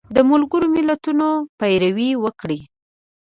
د ملګرو ملتونو پیروي وکړي